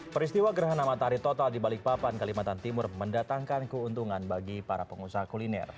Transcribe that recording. peristiwa gerhana matahari total di balikpapan kalimantan timur mendatangkan keuntungan bagi para pengusaha kuliner